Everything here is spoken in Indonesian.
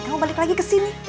kamu balik lagi kesini